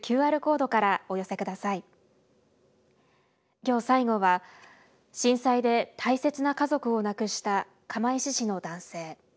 今日最後は震災で大切な家族を亡くした釜石市の男性。